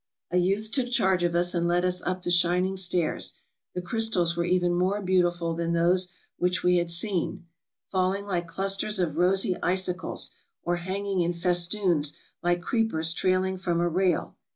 A youth took charge of us, and led us up the shining stairs. The crystals were even more beautiful than those MISCELLANEOUS 443 which we had seen, falling like clusters of rosy icicles, or hanging in festoons like creepers trailing from a rail.